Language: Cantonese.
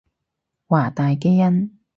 華大基因